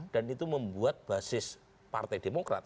dan itu membuat basis partai demokrat